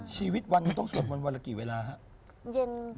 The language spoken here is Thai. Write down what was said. ชีวิตวันนี้ต้องสวดมนตร์วันละกี่เวลาฮะ